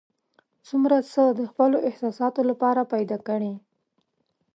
څومره څه د خپلو احساساتو لپاره پیدا کړي.